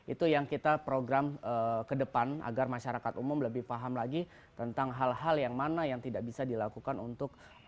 itu yang kita program ke depan agar masyarakat umum lebih paham lagi tentang hal hal yang mana yang tidak bisa dilakukan untuk